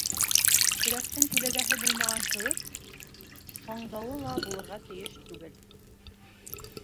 Өрәктең күләгәһе булмаған кеүек шаңдауы ла булырға тейеш түгел.